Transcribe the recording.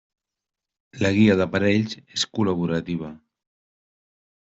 La guia d'aparells és col·laborativa.